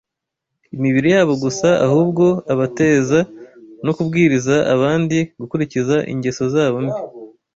imibiri yabo gusa, ahubwo abateza no kubwiriza abandi gukurikiza ingeso zabo mbi